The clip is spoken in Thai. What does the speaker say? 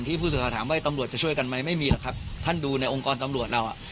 ผู้สื่อข่าวถามว่าตำรวจจะช่วยกันไหมไม่มีหรอกครับท่านดูในองค์กรตำรวจเราอ่ะ